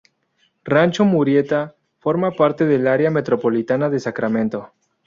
Rancho Murieta forma parte del área metropolitana de Sacramento.